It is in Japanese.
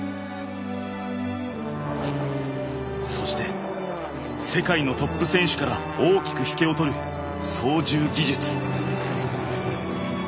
そして世界のトップ選手から大きく引けを取る操縦技術。